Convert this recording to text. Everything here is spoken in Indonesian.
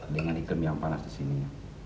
dengan iklim yang panas disini